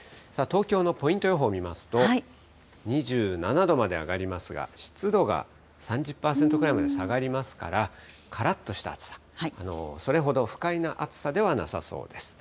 東京のポイント予報見ますと、２７度まで上がりますが、湿度が３０％ぐらいまで下がりますから、からっとした暑さ、それほど不快な暑さではなさそうです。